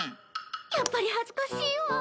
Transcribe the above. やっぱり恥ずかしいわ。